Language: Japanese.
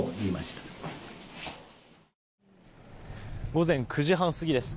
午前９時半過ぎです。